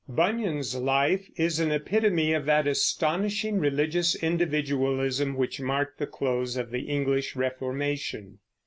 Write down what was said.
Bunyan's life is an epitome of that astonishing religious individualism which marked the close of the English Reformation.